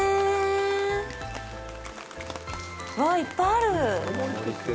わあ、いっぱいある。